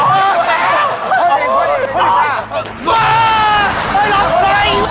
ครับ